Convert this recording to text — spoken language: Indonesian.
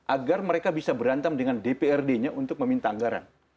agar mereka bisa berantem dengan dprd nya untuk meminta anggaran